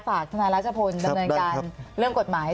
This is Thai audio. ทนายรัชพลดำเนินการเรื่องกฎหมาย